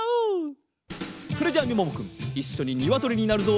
それじゃみももくんいっしょににわとりになるぞ。